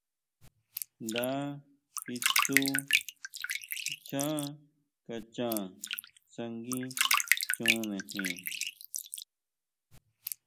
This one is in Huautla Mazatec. Nda kitsú nchá kaxhan tsánguichonejin.